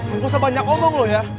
eh lu sebanyak omong lu ya